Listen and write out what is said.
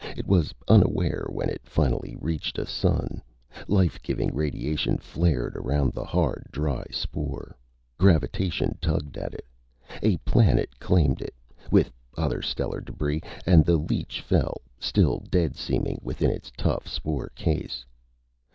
It was unaware when it finally reached a sun. Life giving radiation flared around the hard, dry spore. Gravitation tugged at it. A planet claimed it, with other stellar debris, and the leech fell, still dead seeming within its tough spore case.